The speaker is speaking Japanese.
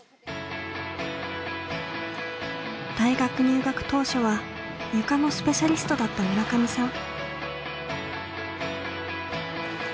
大学入学当初はゆかのスペシャリストだった村上さん。